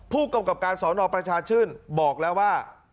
ผู้กำกับการสอนอประชาชื่นบอกแล้วว่า